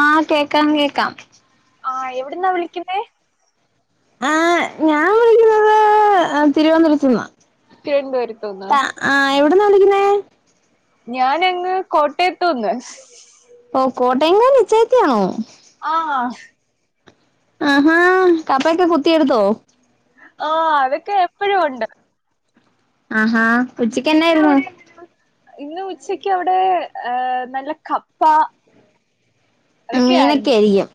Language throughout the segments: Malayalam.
ആഹ് കേക്കാം കേക്കാം ആ് എവടുന്നാ വിളിക്കുന്നേ ആ ഞാൻ വിളിക്കുന്നത് തിരുവന്തപുരത്ത്ന്നാ തിരുവനന്തപുരത്തുനിന്ന് ആ എവടന്നാ വിളിക്കുന്നേ ഞാനങ്ങ് കോട്ടയത്തുന്ന് ഓ കോട്ടയംകാരി അച്ചായത്തിയാണോ ആഹ ആഹാ കപ്പൊക്കെ കുത്തിയെടുത്തോ ആഹ് അതൊക്കെ എപ്പഴും ഉണ്ട് ആഹാ ഉച്ചയ്ക്കെന്നായിരുന്നു ഇന്ന് ഉച്ചക്ക് അവിടെ ഏ നല്ല കപ്പ മീനൊക്കെ അതൊക്കെയായിരുന്നു ആയിരിക്കും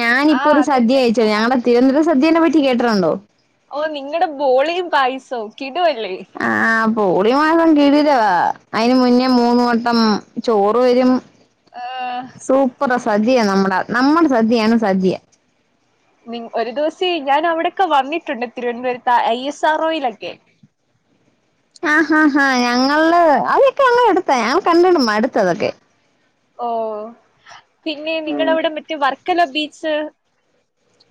ഞാനിപ്പോ ആഹ് ഒരു അതെ സദ്യ അതെ കഴിച്ചത് ഞങ്ങളുടെ തിരുവനന്തപരം സദ്യേനെ പറ്റി കേട്ടിട്ടുണ്ടോ ഓ നിങ്ങടെ ബോളിയും പായസവും കിടുവല്ലേ. ആ ബോളി മാസം കിടിലവാ അതിന് മുന്നേ മൂന്ന് വട്ടം ചോറ് വരും. ആഹ സൂപ്പറ സദ്യയനമ്മടെ നമ്മുടെ സദ്യയാണ് സദ്യ നി ഒരു ദിവസേ ഞാൻ അവിടൊക്കെ വന്നിട്ടുണ്ട് തിരുവനന്തപുരത്ത് ഐ എസ് ആർ ഒയിലൊക്കെ [inaudible] ആ ഹാ ഹാ ഞങ്ങള് അതൊക്കെയ ഞങ്ങളെടുത്തേ ഞങ്ങൾ കണ്ടുകണ്ട് മടുത്ത് അതൊക്കെ ഓ പിന്നെ നിങ്ങളവിടെ മറ്റേ വർക്കലോ ബീച്ച്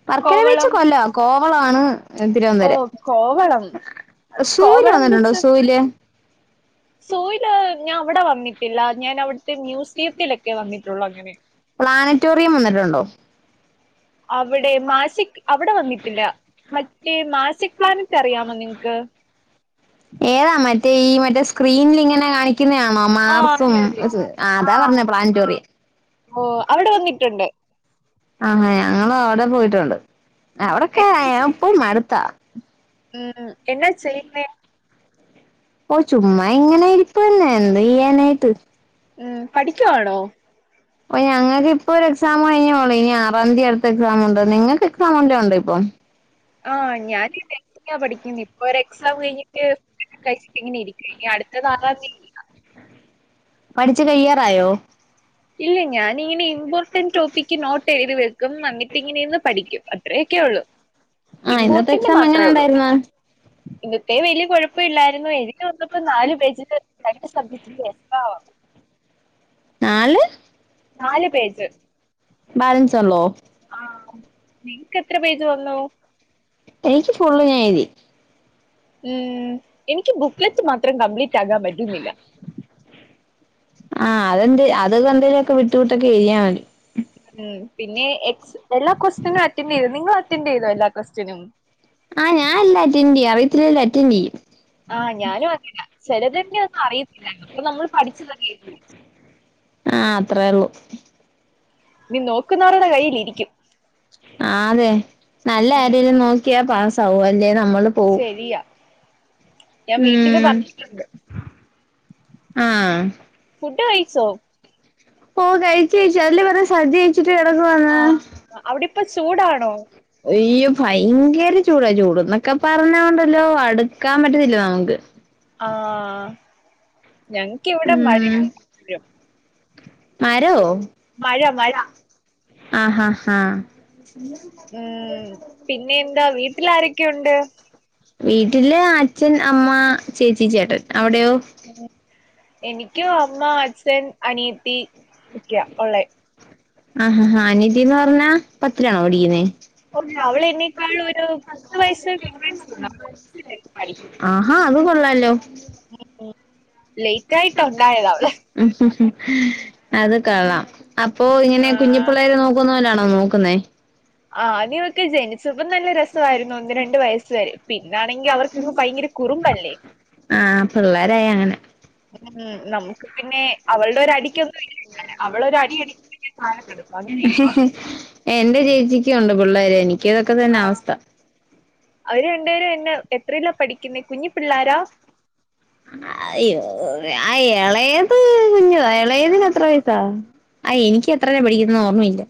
വർക്കല ബീച്ച് കോവളം കൊല്ലവാ കോവളാണ് ഓ തിരുവനന്തപുരം കോവളം സൂല് കോവളം വന്നിട്ടുണ്ടോ സൂല് സുയില് ഞാൻ അവിടെ വന്നിട്ടില്ല ഞാൻ അവിടുത്തെ മ്യൂസിയത്തിലൊക്കെ വന്നിട്ടുള്ളു അങ്ങനെ പ്ലാനറ്റോറിയം വന്നിട്ടുണ്ടോ അവിടെ മാഴ്സിക്ക് അവിടെ വന്നിട്ടില്ല മറ്റേ മാഴ്‌സിക്ക് പ്ലാനറ്റ് അറിയാമോ നിങ്ങക്ക് [inaudible] അതാ മറ്റേ ഈ മറ്റേ സ്ക്രീനിൽ ഇങ്ങനെ കാണിക്കുന്നതണോ ആ മാർസും അതെ അതെ ആ അതാ പറഞ്ഞത് പ്ലാനിറ്റോറിയം ഓ അവിടെ വന്നിട്ടുണ്ട് ആഹാ ഞങ്ങളും അവിടെ പോയിട്ടുണ്ട് അവിടക്കെ എന്ന- യപ്പൊ മടുത്താ ഉം എന്ന ചെയ്യ്ന്നെ ഓ ചുമ്മാ ങ്ങനെ ഇരിപ്പെന്നെ എന്തെയ്യാനായിട്ട് ഉം പഠിക്കുവാണോ ഓ ഞങ്ങക്ക്പ്പൊ ഒരു എക്സാം കഴിഞ്ഞെള്ളു എനി ആറാന്തി അടുത്ത എക്സാമുണ്ട് നിങ്ങക്ക് എക്സാം വല്ലോണ്ടോ പ്പൊ ഞാന് [unintelligible] പഠിക്കുന്നെ പ്പൊരെക്സാം കഴ്ഞ്ട്ട് ങ്ങനെ ഇരിക്ക നി അടുത്തത് ആറാന്തി പഠിച്ച് കയ്യാറായോ ഇല്ല ഞാനിങ്ങനെ ഇമ്പോർട്ടന്റ് ടോപ്പിക്ക് നോട്ടെഴ്തി വെക്കും അന്നിട്ട് ഇങ്ങനെരുന്ന് പഠിക്കും അത്രയൊക്കെ ഒള്ളു ആ ഇന്നത്തെ ഇമ്പോർട്ടൻ്റ് എക്സാം എങ്ങനെ മാത്രേ ഒള്ളൂ ഉണ്ടായിരുന്നു ഇന്നത്തെ വല്യ കൊഴപ്പല്ലായിരുന്നു എഴുതി വന്നപ്പോ നാല് പേജിന് രണ്ട് സബ്ജ [inaudible] നാല് നാല് പേജ് ബാലൻസ് ഉള്ളോ നിങ്ക്കെത്ര പേജ് വന്നു എനിക്ക് ഫുള്ള് ഞാനെഴുതി ഉം എനിക്ക് ബുക്ക്‌ളിത്തെ മാത്രം കംപ്ലീറ്റാക്കാൻ പറ്റുന്നില്ല ആ തെന്തെ അതെന്തെലൊക്കെ വിട്ട് വിട്ടൊക്കെഴുതിയാ മതി ഉം പിന്നെ എക്സ് എല്ലാ ക്വസ്റ്റിനും അറ്റൻഡ് ചെയ്തോ നിങ്ങൾ അറ്റൻഡ് ചെയ്തോ എല്ലാ ക്വസ്റ്റിനും ആ ഞാനെല്ലാം അറ്റൻറ് ചെയ്യും അറിയത്തില്ലങ്കിലും അറ്റൻന്റെയ്യും ആ ഞാനും അങ്ങന ചെലതിന്റൊന്നും അറിയത്തില്ല അപ്പൊ നമ്മൾ പഠിച്ചതങ്ങെഴുതും ആ അത്രേ ള്ളു നീ നോക്കുന്നവരുടെ കയ്യിൽ ഇരിക്കും ആ അതെ നല്ല ഉം, ആരേലും നോക്കി ക്ക്യ പാസാകും അല്ലെ നമ്മളും ശെരിയാ ഞാൻ വീട്ടില് ഉം പറഞ്ഞിട്ടുണ്ട് ആ ഫുഡ് കഴിച്ചോ ഓ കഴിച് കഴിച്ച് അതല്ലേ പറഞ്ഞേ സദ്യ കഴിച്ചിട്ട് കെടക്കുവാ ന്ന് അവിടെപ്പോ ചൂടാണോ അയ്യോ ഭയങ്കര ചൂടാ ചൂട്ന്നൊക്കെ പറഞ്ഞണ്ടല്ലോ അടുക്കാൻ പറ്റത്തില്ല നമുക്ക് ആ ഞങ്ങക്കിവിടെ മഴയാ ഉം മരോ മഴ മഴ ആഹ് ഹ ഉം പിന്നെ എന്താ വീട്ടിലാരൊക്കെയുണ്ട് [inaudible] വീട്ടില് അച്ഛൻ, അമ്മ, ചേച്ചി, ചേട്ടൻ അവിടെയോ എനിക്കും അമ്മ, അച്ഛൻ, അനിയത്തി ഒക്കെയാ ഒള്ളെ ആഹ ഹ അനിയത്തിന്ന് പറഞ്ഞാ പത്തിലാണോ പഠിക്ക്ന്നേ [unintelligible] അവളെനി ക്കൾ ഓരോ ആഹാ അത് കൊള്ളാല്ലോ [unintelligible] ലെയ്റ്റായിട്ടുണ്ടായതാവള് അത് കൊള്ളാം അപ്പൊ ഇങ്ങനെ ആഹ് കുഞ്ഞിപ്പിള്ളേര് നോക്ക ക്കുന്നോലാണോ നോക്കുന്നേ ആദ്യോക്കെ ജനിച്ചപ്പ നല്ല രസായിരുന്നു ഒന്ന് രണ്ട് വയസ്സ് വരെ പിന്നാണെങ്കി അവർക്കങ്ങ് ഭയങ്കര കുറുമ്പല്ലേ ആ പിള്ളേരായാ അങ്ങനാ ഉം നമുക്ക് പിന്നെ അവളുടെ ഒരടിക്കൊന്നും ഇല്ലല്ലൊ അങ്ങനെയാ ഇപ്പൊ ഹിഹി എന്റെ ചേച്ചിക്കുണ്ട് പിള്ളേര് എനിക്ക് ഇതൊക്കെ തന്നെ അവസ്ഥ അവര് രണ്ടേരും എന്ന എത്രേലാ പഠിക്കുന്നേ കുഞ്ഞു ഹലോ അയ്യ ആ എളയത് കുഞ്ഞതാ എളയതിന് എത്ര വയസാ അ എനിക്ക് എത്രയിലാ പഠിക്കുനേന് ഓർമ്മ ഇല്ല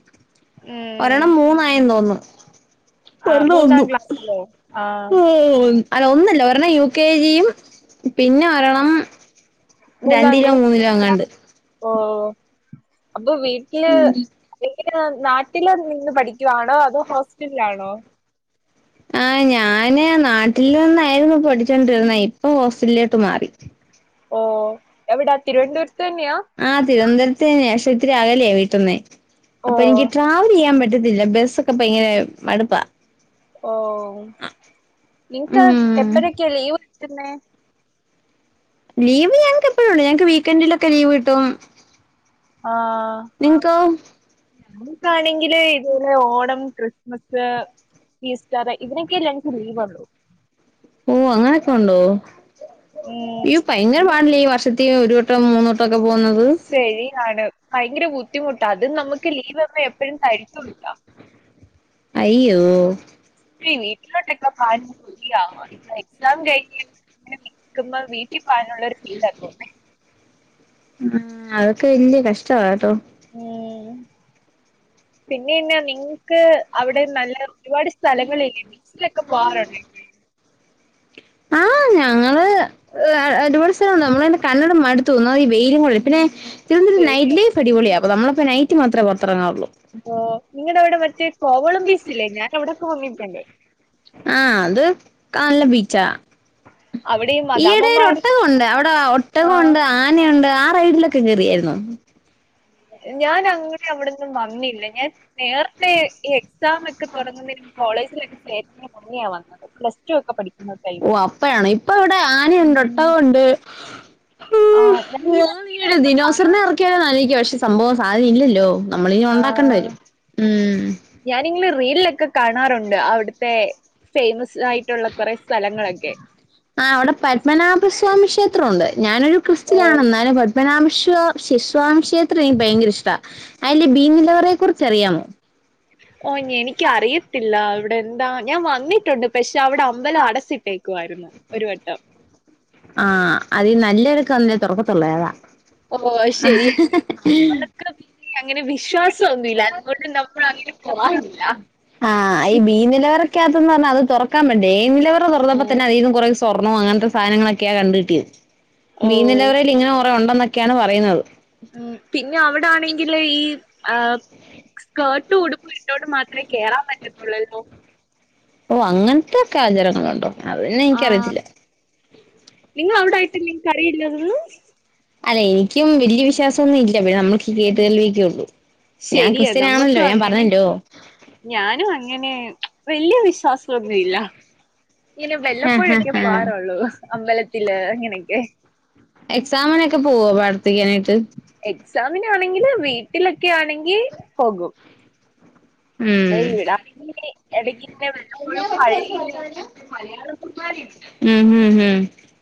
ഉം മൂന്നായി തോന്ന്ന്നു ആ ചെറുത് മൂന്നാം ഒന്നും ക്ലാസ്സിലോ ആ അല്ല ഒന്നല്ല ഒരെണ്ണം യു കെ ജിയും പിന്നെ ഒരെണ്ണം മൂന്നാം രണ്ടിലോ മൂന്നിലോ ക്ലാസിൽ എങ്ങാണ്ട് ഓ അപ്പൊ വീട്ടില് അ നാട്ടില് നിന്ന് പഠിക്കുവാണോ അതോ ഹോസ്റ്റലിലാണോ ആഹ ഞാന് നാട്ടിൽ നിന്നായിരുന്നു പഠിച്ചോണ്ടിരുന്നേ ഇപ്പൊ ഹോസ്റ്റലിലോട്ട് മാറി ഓ തിരുവനന്തപുരത്തു തന്നെയാ ആ തിരുവനപുരത്തു തന്നെയാ പശേ ഇത്തിരി ആകലേയ വീട്ടിന്നേ ഓ അപ്പൊ എനിക്ക് ട്രാവൽ ചെയ്യാൻ പറ്റത്തില്ല ബസ്സൊക്കെ ഇപ്പ ഭയങ്കര മടുപ്പാ ഓ നിങ്ങക്ക് ഉം എപ്പഴൊക്കെയ ലീവ് കുന്ന ലീവ്ഞങ്ങക്ക് എപ്പോഴും ണ്ട്ഞങ്ങക്ക് വീക്കെന്ഡിലൊക്കെ ലീവ് കട്ടും ആഹ നിങ്ങക്ക് നമക്കാണെങ്കില് ഇതുപോലെ ഓണം ക്രിസ്മസ് ഈസ്റ്റർ ഇതിനൊക്ക എനിക്ക് ലീവ്ള്ളു ഓ അങ്ങനൊക്കെ ഉണ്ടോ യ്യോ ഭയങ്കര ഉം പാടല്ലേ ഈ വർഷ ഒരു വട്ടം മൂന്നുവട്ടം ഒക്കെ പോകുന്നത് ശരിയാണ് ഭയങ്കര ബുദ്ധിമുട്ട് അതും നമുക്ക് ലീവ്മ്മ എപ്പോഴും തഴത്തൂടില്ല അയ്യോ വീട്ടിലോട്ടൊക്കെ പ എക്സാം കഴുമ്പ [inaudible] ആ അതൊക്കെ വല്യ കഷ്ടമാ കേട്ടോ ഉം പിന്നെന്നാ നി അവിടെ നല്ല ഒരുപാട് സ്ഥലങ്ങളില്ലിലൊക്കെ പോകാറുണ്ട് ആഹ് ഞങ്ങള് ഒരുപാട് സ്ഥലം നമ്മള തെ കന്നടം മടു ഒന്നാമത് ഈ വെയിലും കൂടിയാ ഉം. പിന്നെ തിരുവന്തപരം ശരി. നൈറ്റ് ലൈഫ് അടിപൊളിയാ നമ്മളപ്പോ നൈറ്റ് മാത്രമ പുറത്തിറങ്ങാവറുള്ളൂ ഓ നിങ്ങളുടെ അവിടെ മറ്റേ കോവളം ബീച്ചില്ലേ ഞാൻ അവിടൊക്കെ വന്നിട്ടണ്ടേ ആഹ അത് കല്ല ബ അവിടെ ഈ ഈയിടെ ഒരു മദാമ്മമാര് ഒട്ടകുണ്ട് അവിട ഒട്ടക ആഹ്. കൊണ്ട് ആനയുണ്ട് ആ റൈഡിലൊക്കെ കേയറിയായിരുന്നു ഞാൻ അങ്ങനെ അവിടെൊന്നും വന്നില്ല ഞാൻ നേരത്തെഈ എക്സാം ഒക്കെ തുടങ്ങുന്നതി കോളേജിലൊക്കെ നാ വന്നത് പ്ലസ് ടു ഒക്കെ പഠിക്കും ഓ അപ്പയണ ഇപ്പ ഇവിടെ ആനയുണ്ട് ഒട്ടകുണ്ട് ഉ ആ ഞാൻ ഈ ഓ റീലിലൊക്കെ ദിനോസറിന കാണാറുണ്ട്. ഇറക്കിയാല ന്ന് ആലോയ് ക്കാ പക്ഷെ സംഭവം സാധന ഇല്ലല്ലോ നമ്മള ഇന ഉണ്ടാക്കേണ്ടി വരും ഉം ഞാാനിങ്ങെ റീലൊക്കെ കാണാറുണ്ട് അവിടുത്തെ ഫേമസ് ആയിട്ടുള്ള കുറെ സ്ഥലങ്ങളൊക്കെ ആ് അവിടെ പത്മനാഭ സ്വാമി ക്ഷേത്രം ഉണ്ട് ഞാനൊരു ഓ ക്രിസ്ത്യനാണ് ന്നാലും നാമസ്വാമി ക്ഷേത്രം എനിക്ക് ഭയങ്കര ഇഷ്ടമാണ് അതിന്റെ ബീനിലവരെ കുറിച്ച് അറിയാമോ ഓ എനിക്ക അറിയത്തില്ല അവിടെ എന്താ ഞാൻ വന്നി ണ്ട് പക്ഷെ അവിടെ അമ്പലം അടച്ചിട്ടേക്കുായിരുന്നു ഒരു വട്ടം ആഹ അത്ീ നല്ല ഇഴക്ക്ന്ന തുറത്തുള്ളൂ ഏതാ [unintelligible] ഓ ശരിയാ ശരിയാ. അവർക്ക് അങ്ങനെ ട്ട വിശ്വാസമൊന്നുമില്ല അതുകൊണ്ട് നമ്മൾ അങ്ങനെ [inaudible] പോവാറില്ല. ആഹ് ഈ ബീ നിലവരക്കകത്തന്ന് പറഞ്ഞാൽ അത് തുറക്കാൻ പേണ്ട നിലവറ ഓ തുറന്നപ്പോ തന്നെ അന്ന് കുറ സ്വർണ്ണവും അങ്ങനത്തെ സാധനങ്ങളൊക്കെയാ കണ്ട കിട്ടിയത് ഓ മീനിലവരൽ ഇങ്ങനെ കുറ ഉണ്ടെന്നൊക്കെയാണ് പറയുന്നത് ഉം പിന്നെ അവിടൊണെങ്കില് ഈ ആഹ്‌ സ്കേർട്ടും ഉടുപ്പും ഇട്ടോണ്ട് മാത്രേ കേറാൻ പറ്റത്തുള്ളല്ലോ ഓഹ്‌ അങ്ങനത്തെക്കെ ആചാരങ്ങളുണ്ടോ അത് പിന്നെ എനിക്കറിയിത്തില്ല നിങ്ങളെ അവിടെ ആയിട്ടല്ലേ ഈ കടയില്ലത് അല്ല എനിക്കും വലിയ വിശ്വാസൊന്നും ഇല്ല പിന്നെ നമ്മക്ക് കേട്ട് [unintelligible] ക്കയൊള്ളൂ ഞാൻ ശരിയാ ക്രിസ്ത്യൻ ആണല്ലോ നമ്മക്കും ഞാൻ അങ്ങനെ പറഞ്ഞല്ലോ ഞാനും അങ്ങനെ വല്യ വിശ്വാസ [unintelligible] ല്ല ഇങ്ങനെ ആ ആ വെല്ലപ്പോഴൊക്കെ ആ പോവാറുള്ളൂ അമ്പലത്തില് അങ്ങനെയൊക്കെ എക്സാമിനൊക്കെ പോവോ പ്രാർത്ഥിക്കാനായിട്ട് എക്സാമിനാണെങ്കിൽ വീട്ടിലൊക്കെ ആണെങ്കിൽ പോകും ഇപ്പൊ ഉം ഇവിട ഇനി എടക്ക്ങ്ങനെ വല്ലപ്പോഴും [unintelligible] അ ഉം ഹും ഹും.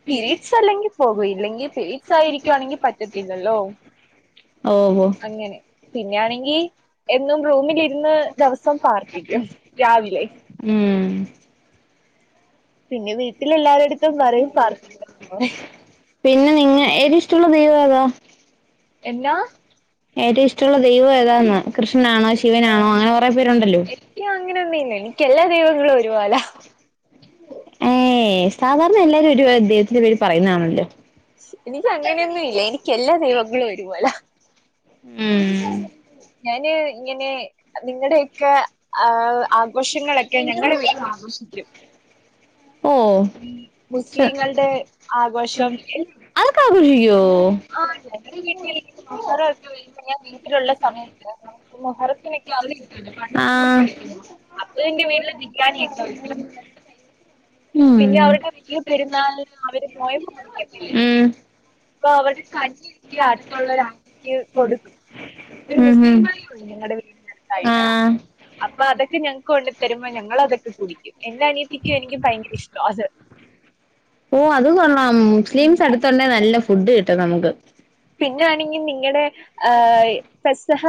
പിരീഡ്സ് അല്ലെങ്കിൽ പോകൂ ഇല്ലെങ്കിൽ പിരീഡ്സ് ആയിരിക്കുവാണെങ്കിൽ പറ്റത്തില്ലല്ലോ. ഓഹോ അങ്ങനെ പിന്നെയാണെങ്കി എന്നും റൂമിലിര്ന്ന് ദിവസം പ്രാർത്ഥിക്കും രാവിലെ. ഊം പിന്നെ വീട്ടിലെല്ലാര്ടുത്തും പറയും പ്രാർത്ഥിക്കാൻ പറയും. പിന്നെ നിങ്ങ ഏത് ഇഷ്ട്ടൊള്ള ദൈവേതാ? എന്നാ ഏറ്റവും ഇഷ്ട്ടൊള്ള ദൈവം ഏതാന്ന്? കൃഷ്ണനാണോ ശിവനാണോ അങ്ങനെ കറെ പേരുണ്ടല്ലോ ക്ക്യ ങ്ങനൊന്നൂല്ല എനിക്ക് എല്ലാ ദൈവങ്ങളും ഒരു പോലാ. ഏഹ്‌ സാധാരണ എല്ലാരും ഒരു ദൈവത്തിന്റെ പേര് പറയുന്നാണല്ലോ? എനിക്ക് അങ്ങനെയൊന്നും ഇല്ല എനിക്ക് എല്ലാ ദൈവങ്ങളും ഒരു പോലാ. ഉം ഊം ഞാന് ഇങ്ങനെ. നിങ്ങടെയൊക്കെ ആഹ്‌ ആഘോഷങ്ങളൊക്കെ ഞങ്ങടെ വീട്ടിലും ആഘോഷിക്കും. ഉം ഓ മുസ്ലിങ്ങളുടെ ആഘോഷം. അതൊക്കെ അവര് ചെയ്യോ? [unintelligible] കിട്ടുന്നുണ്ട് അപ്പൊ എന്റെ വീട്ടില് ബിരിയാണി ഒക്കെ വെക്കും. ആഹ്‌ പിന്നെ അവരുടെ ക പെരുന്നാൾ അവര് നോയമ്പ് ഉം ഇപ്പൊ അവര് [unintelligible] കൊടുക്കും ഒരു മുസ്ലിം വീടൊണ്ട് ഞങ്ങടെ വീടിനടുത്തായിട്ട്. ആഹ് അപ്പൊ അതൊക്കെ ഞങ്ങക്ക് കൊണ്ടതരുമ്പോ ഞങ്ങളതൊക്കെ കുടിക്കും എന്റെ അനിയത്തിക്കും എനിക്കും ഭയങ്കര ഇഷ്ട ആ ഓഹ്‌ അത് കൊള്ളാം ഉം. മുസ്ലിംസ് അടുത്തുണ്ടേ നല്ല ഫുഡ് കിട്ടും നമുക്ക്. പിന്നൊണെങ്കി നിങ്ങടെ ആഹ് പെസഹ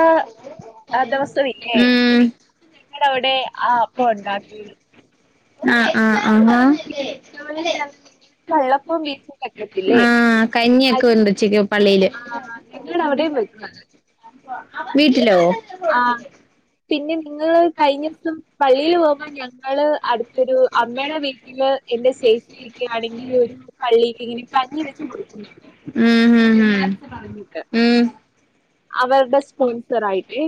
ആ ദിവസം ഇല്ലേ. ഉം നിങ്ങടെ അവ്ടെ ആ അപ്പോ ഒണ്ടാക്കി ആഹ്‌ ആഹ്‌ അഹാ കള്ളപ്പും ബീഫും വെക്കത്തില്ലേ? ആഹ്‌ കഞ്ഞിയൊക്കെ അത് ഒണ്ട് ഉച്ചക്ക് പള്ളീല്. ആഹ് ഞങ്ങടെ അവിടേം വെക്കും അങ്ങനെ വീട്ടിലോ? പിന്നെ നിങ്ങള് കഴിഞ്ഞോസം. പള്ളില് പോകുമ്പോ ഞങ്ങള് അടുത്തൊരു അമ്മയുടെ വീട്ടില്. എന്റെ സേഫിറ്റക്ക് അടങ്ങി ഒതുങ്ങി പള്ളിക്ക് ഇങ്ങനെ കഞ്ഞിവെച്ച് കൊടുക്കും.. ഊം [unintelligible] അവര്ടെ സ്പോൺസർ ആയിട്ട്.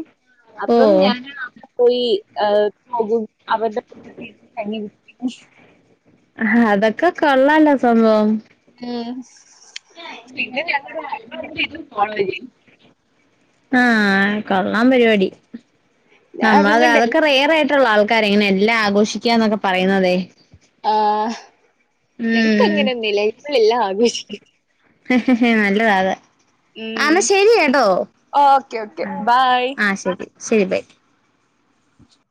ഓ അപ്പം ഞാൻ അവടെ പോയി ഏഹ്‌ പോകും അവര്ടെ [unintelligible] ആഹ്‌ അതൊക്കെ കൊള്ളാലോ സംഭവം. ഉം പിന്നെ ഞങ്ങള് [unintelligible] ആഹ്‌ കൊള്ളാം പരിപാടി അതും നമ്മളത് കൊണ്ട് അതൊക്കെ റെയർ ആയി ട്ട് ആൾക്കാര ഇങ്ങനെ എല്ലാം ആഘോഷിക്കന്നൊക്കെ പറയുന്നതെ. ആഹ്‌ ഞങ്ങക്ക് ഉം അങ്ങനൊന്നുല്ല ഇവ്ടെല്ലാം ആഘോഷിക്കും. നല്ലതാത്. ആ ഉം ന്നാ ശരി കേട്ടോ ഓക്കെ ഓക്കെ ബൈ ആ ശരി ശരി ബൈ. [inaudible]